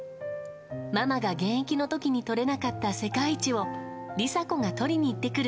ママが現役の時にとれなかった世界一を梨紗子がとりに行ってくる。